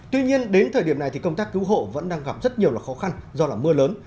tuy nhiên đến thời điểm này thì công tác cứu hộ vẫn đang gặp rất nhiều khó khăn do mưa lớn